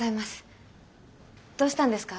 どうしたんですか？